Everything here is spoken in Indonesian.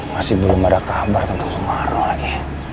masih belum ada kabar tentang sumarno lagi